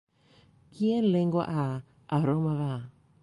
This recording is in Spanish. Quien lengua ha, a Roma va.